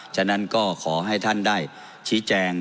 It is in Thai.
ฉะนั้นก็ขอให้ท่านได้ชี้แจง